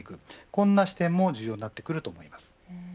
こんな視点も重要になってくると思います。